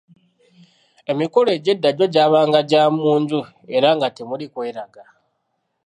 Emikolo egy’edda gyo gyabanga gya munju era nga temuli kweraga.